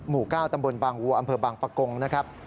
หมู่๙ตำบลบางวัวอำเภอบางปะกงนะครับ